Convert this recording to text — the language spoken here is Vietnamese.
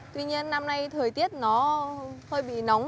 tuy nhiên năm nay thời tiết nó hơi bị nóng